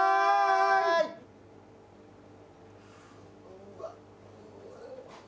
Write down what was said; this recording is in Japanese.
うわっ